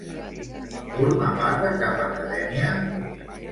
Forma part de cap acadèmia?